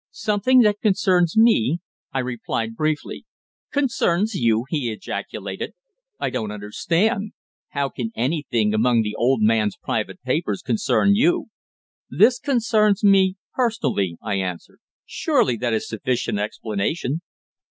"Something that concerns me," I replied briefly. "Concerns you?" he ejaculated. "I don't understand. How can anything among the old man's private papers concern you?" "This concerns me personally," I answered. "Surely that is sufficient explanation."